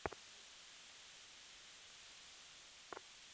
কিন্তু সেটা মেনে চলাকে তারা তাদের অপশাসনের পথে বাধা মনে করেছিল।